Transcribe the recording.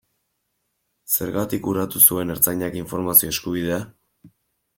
Zergatik urratu zuen Ertzaintzak informazio eskubidea?